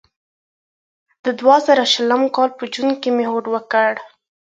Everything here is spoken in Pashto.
د دوه زره شلم کال په جون کې مې هوډ وکړ.